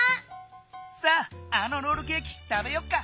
さああのロールケーキ食べよっか。